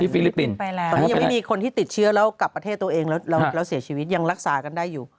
ไปแล้วไม่มีคนที่ติดเชื้อแล้วกลับประเทศตัวเองนะเราเสียชีวิตยังรักษากันได้อยู่